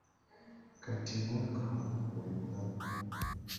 Kati nange awo wennalabira.